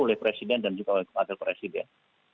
oleh presiden dan juga oleh wakil presiden